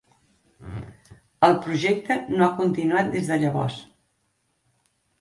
El projecte no ha continuat des de llavors.